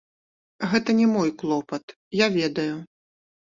Гэта не мой клопат, я ведаю.